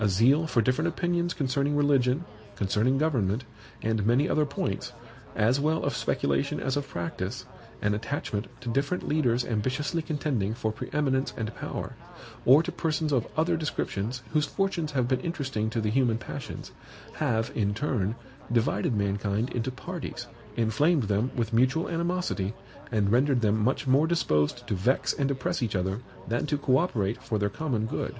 A zeal for different opinions concerning religion, concerning government, and many other points, as well of speculation as of practice; an attachment to different leaders ambitiously contending for pre eminence and power; or to persons of other descriptions whose fortunes have been interesting to the human passions, have, in turn, divided mankind into parties, inflamed them with mutual animosity, and rendered them much more disposed to vex and oppress each other than to co operate for their common good.